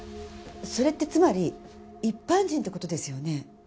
それってつまり一般人って事ですよね？